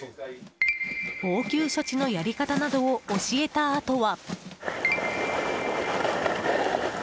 応急処置のやり方などを教えたあとは。